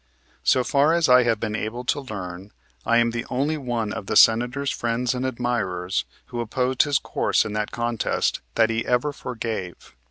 So far as I have been able to learn, I am the only one of the Senator's friends and admirers who opposed his course in that contest that he ever forgave.